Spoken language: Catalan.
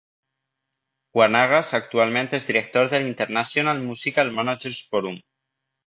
Wanagas actualment és director de l'International Music Manager's Forum.